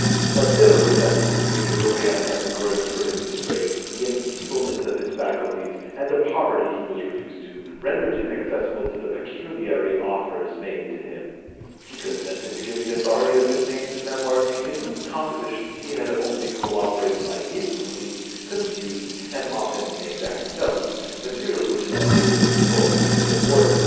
The bitter resentment M. de Bourrienne had nourished for his disgrace, the enfeeblement of his faculties, and the poverty he was reduced to, rendered him accessible to the pecuniary offers made to him. He consented to give the authority of his name to Memoirs in whose composition he had only co operated by incomplete, confused, and often inexact notes, materials which an editor was employed to put in order."